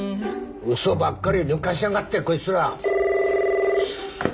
嘘ばっかり抜かしやがってこいつら。